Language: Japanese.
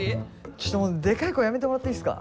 ちょっとでかい声やめてもらっていいっすか？